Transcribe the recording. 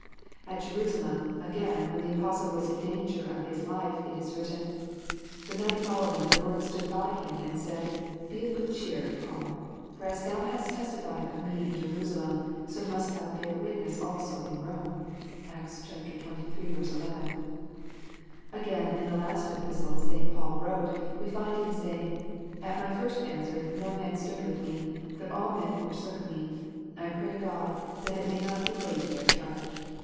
At Jerusalem, again, when the apostle was in danger of his life, it is written, " The night following the Lord stood by him, and said, Be of good cheer, Paul ; for as thou hast testified of Me in Jerusalem, so must thou bear witness also in Rome." (Acts xxiii. 11.) Again, in the last Epistle St. Paul wrote, we find him saying, "At my first answer no man stood with me, but all men forsook me : I pray God that it may not be laid to their charge.